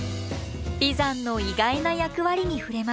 眉山の意外な役割に触れます。